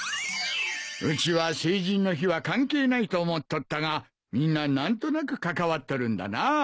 うちは成人の日は関係ないと思っとったがみんな何となく関わっとるんだな。